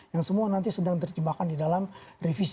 yang semua nanti sedang terjemahkan di dalam revisi